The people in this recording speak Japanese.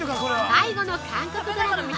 ◆最後の韓国ドラマ